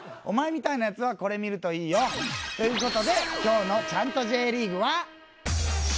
お前みたいなヤツはこれ見るといいよ。という事で今日の『チャント！！Ｊリーグ』は。